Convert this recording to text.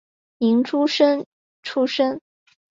明诸生出身。